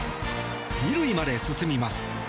２塁まで進みます。